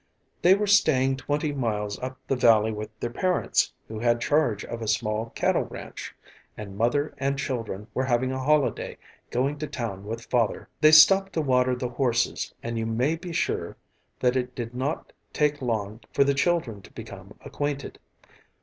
They were staying twenty miles up the valley with their parents who had charge of a small cattle ranch, and Mother and children were having a holiday going to town with Father. They stopped to water the horses and you may be sure that it did not take long for the children to become acquainted.